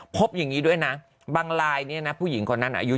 พบอย่างนี้ด้วยนะบางลายเนี่ยนะผู้หญิงคนนั้นอายุ